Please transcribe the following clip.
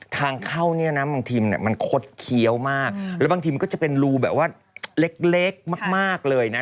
ทางเข้าเนี่ยนะบางทีมันคดเคี้ยวมากแล้วบางทีมันก็จะเป็นรูแบบว่าเล็กมากเลยนะ